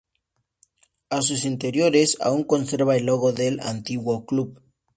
En sus interiores, aún conserva el logo del antiguo club.